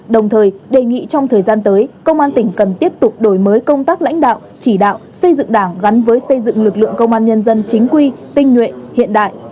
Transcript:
đồng thời đề nghị trong thời gian tới công an tỉnh cần tiếp tục đổi mới công tác lãnh đạo chỉ đạo xây dựng đảng gắn với xây dựng lực lượng công an nhân dân chính quy tinh nguyện hiện đại